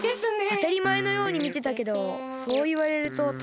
あたりまえのようにみてたけどそういわれるとたしかに。